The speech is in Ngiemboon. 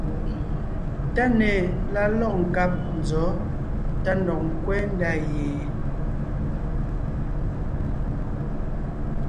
TÁNÈ la lɔ̂g nkáb nzɔ̌ tá ndɔg ńkwɛ́ ndá ye?